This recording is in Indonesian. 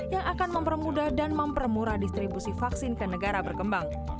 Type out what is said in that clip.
yang akan mempermudah dan mempermurah distribusi vaksin ke negara berkembang